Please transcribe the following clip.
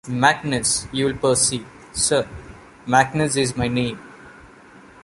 Magnus, you will perceive, sir — Magnus is my name.